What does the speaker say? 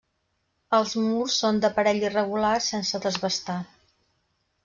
Els murs són d'aparell irregular sense desbastar.